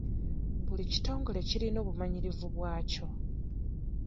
Buli kitongole kirina obumanyirivu bwakyo.